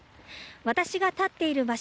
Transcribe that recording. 私が立っている場所